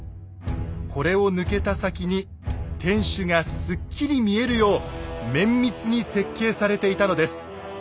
これを抜けた先に天守がすっきり見えるよう綿密に設計されていたのです。